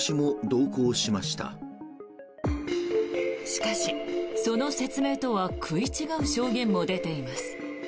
しかし、その説明とは食い違う証言も出ています。